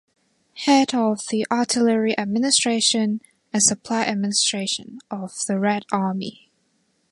Head of the Artillery Administration and Supply Administration of the Red Army.